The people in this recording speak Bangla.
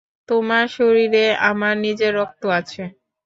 তোমার শরীরে আমার নিজের রক্ত আছে।